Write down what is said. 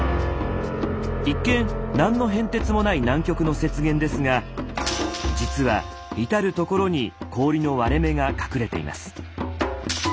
一見何の変哲もない南極の雪原ですが実は至る所に氷の割れ目が隠れています。